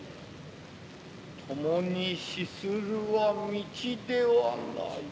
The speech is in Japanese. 共に死するは道ではない。